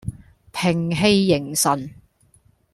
屏氣凝神